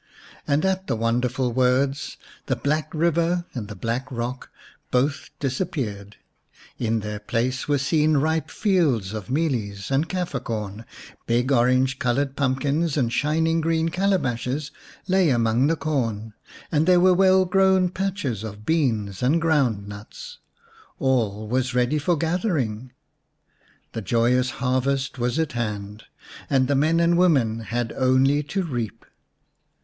And at the wonderful words the Black Eiver and the Black Eock both disappeared. In their place were seen ripe fields of mealies and Kafir corn. Big orange coloured pumpkins and shining green calabashes lay among the corn, and there were well grown patches of beans and ground nuts. All was ready for gathering, the joyous harvest was at hand, and the men and women had only to reap.